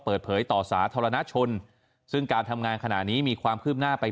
เปิดเผยต่อสาธารณชนซึ่งการทำงานขณะนี้มีความคืบหน้าไป